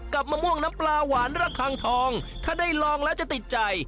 มะม่วงน้ำปลาหวานระคังทองถ้าได้ลองแล้วจะติดใจ